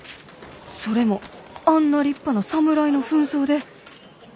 それもあんな立派な侍の扮装で。